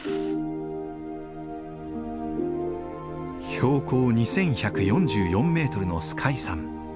標高２，１４４メートルの皇海山。